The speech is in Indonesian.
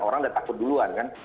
orang udah takut duluan kan